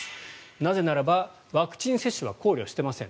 なぜならば、ワクチン接種は考慮しておりません。